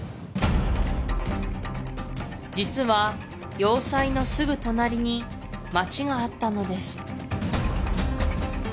実は要塞のすぐ隣に街があったのです